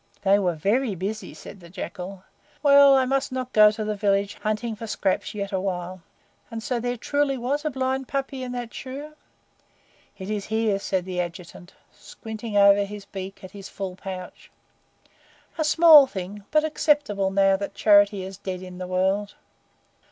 "They were VERY busy," said the Jackal. "Well, I must not go to the village hunting for scraps yet awhile. And so there truly was a blind puppy in that shoe?" "It is here," said the Adjutant, squinting over his beak at his full pouch. "A small thing, but acceptable now that charity is dead in the world."